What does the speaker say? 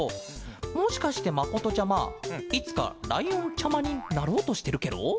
もしかしてまことちゃまいつかライオンちゃまになろうとしてるケロ？